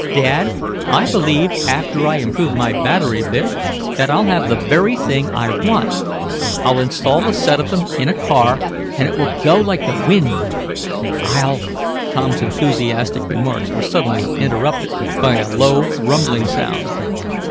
Dad, I believe, after I improve my battery a bit, that I'll have the very thing I want! I'll install a set of them in a car, and it will go like the wind. I'll " Tom's enthusiastic remarks were suddenly interrupted by a low, rumbling sound.